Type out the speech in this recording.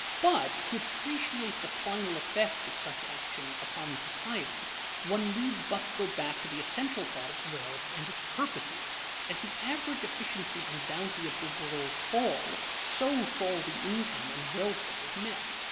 But, to appreciate the final effects of such action upon society, one needs but to go back to the essential thought of wealth and its purposes. As the average efficiency and bounty of the world fall, so fall the income and welfare of men.